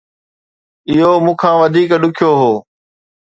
اهو مون کان وڌيڪ ڏکيو هو